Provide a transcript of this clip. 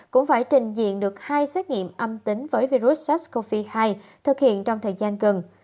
cũng phải trình diện được hai xét nghiệm âm tính với virus sars cov hai thực hiện trong thời gian gần